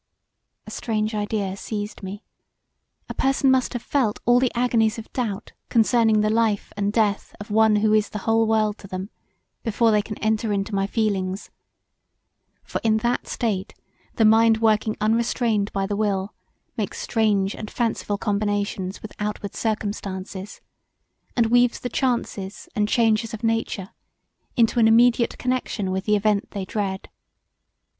A strange idea seized me; a person must have felt all the agonies of doubt concerning the life and death of one who is the whole world to them before they can enter into my feelings for in that state, the mind working unrestrained by the will makes strange and fanciful combinations with outward circumstances and weaves the chances and changes of nature into an immediate connexion with the event they dread.